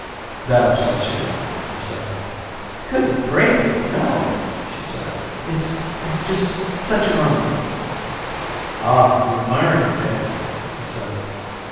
"That upsets you?" he said. "Good gravy, no!" she said. "It's it's just such an honor." "Ah, You... you admire him, eh?" he said.